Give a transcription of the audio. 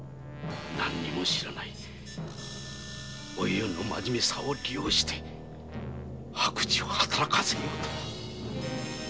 何にも知らないおゆうのマジメさを利用して悪事を働かせようとは。